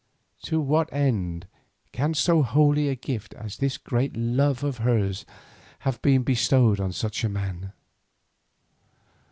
To what end can so holy a gift as this great love of hers have been bestowed on such a man?